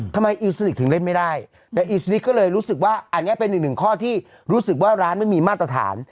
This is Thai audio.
อิวสลิกถึงเล่นไม่ได้แต่อิลสลิกก็เลยรู้สึกว่าอันนี้เป็นอีกหนึ่งข้อที่รู้สึกว่าร้านไม่มีมาตรฐาน